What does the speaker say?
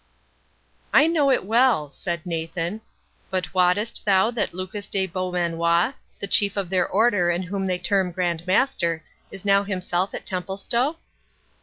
48 "I know it well," said Nathan; "but wottest thou that Lucas de Beaumanoir, the chief of their Order, and whom they term Grand Master, is now himself at Templestowe?"